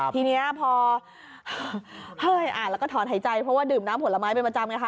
ทีนี้พอเฮ้ยอ่านแล้วก็ถอนหายใจเพราะว่าดื่มน้ำผลไม้เป็นประจำไงคะ